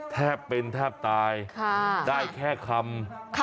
แทบเป็นแทบตายได้แค่คำ